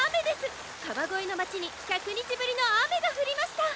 河越の街に１００日ぶりの雨が降りました。